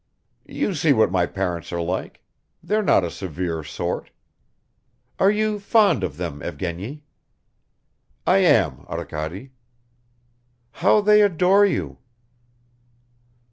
"You see what my parents are like. They're not a severe sort." "Are you fond of them, Evgeny?" "I am, Arkady." "How they adore you!"